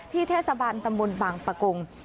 เทศบาลตำบลบางปะกง